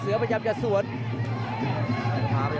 เสือเอาคืนอีกแล้วครับ